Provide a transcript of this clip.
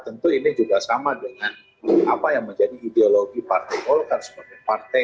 tentu ini juga sama dengan apa yang menjadi ideologi partai golkar sebagai partai